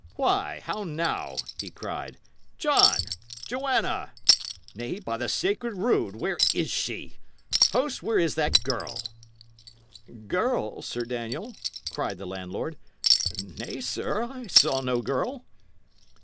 "Why! how now!" he cried. "John! Joanna! Nay, by the sacred rood! where is she? Host, where is that girl?" "Girl, Sir Daniel?" cried the landlord. "Nay, sir, I saw no girl."